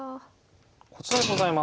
こちらでございます。